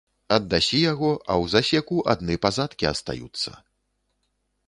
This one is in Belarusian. Аддасі яго, а ў засеку адны пазадкі астаюцца.